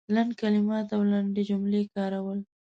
لنډ کلمات او لنډې جملې کارول